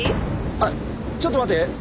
あっちょっと待って。